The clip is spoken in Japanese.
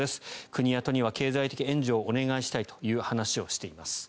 国や都には経済的援助をお願いしたいという話をしています。